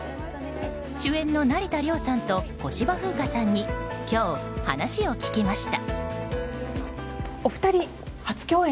主演の成田凌さんと小芝風花さんに今日、話を聞きました。